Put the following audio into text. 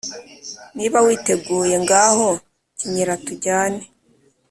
niba witeguye, ngaho kenyera tujyane